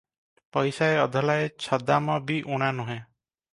ପଇସାଏ, ଅଧଲାଏ, ଛଦାମ ବି ଊଣା ନୁହେଁ ।